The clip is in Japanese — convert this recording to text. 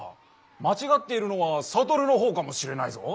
まちがっているのは悟のほうかもしれないぞ。